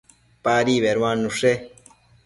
Padi beduannushe